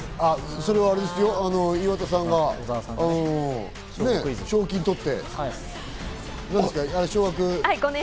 それは岩田さんが賞金を取って。